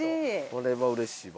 これは嬉しいわ。